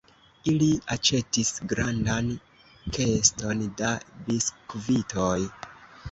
Ili aĉetis grandan keston da biskvitoj.